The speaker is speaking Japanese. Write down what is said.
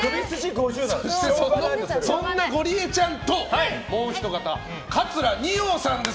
そんなゴリエちゃんともうひと方、桂二葉さんです。